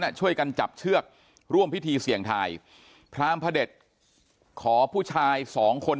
ช่วยกันจับเชือกร่วมพิธีเสี่ยงทายพรามพระเด็จขอผู้ชายสองคน